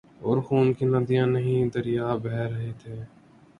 اورخون کی ندیاں نہیں دریا بہہ رہے تھے۔